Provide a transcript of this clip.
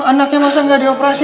anaknya masa nggak dioperasi